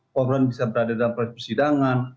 korban bisa berada dalam proses persidangan